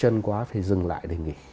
chân quá thì dừng lại để nghỉ